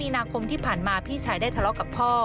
นาคมที่ผ่านมาพี่ชายได้ทะเลาะกับพ่อ